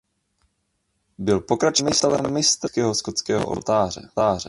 Byl pokračovatelem Mistra vídeňského Skotského oltáře.